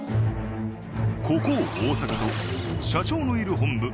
ここ大阪と社長のいる本部